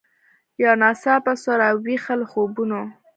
یو ناڅاپه سوه را ویښه له خوبونو